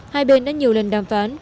hai bên đã nhiều lần đàm phán